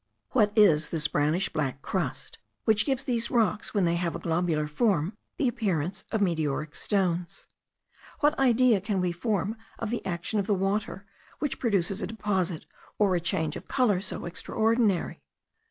What is this brownish black crust, which gives these rocks, when they have a globular form, the appearance of meteoric stones? What idea can we form of the action of the water, which produces a deposit, or a change of colour, so extraordinary?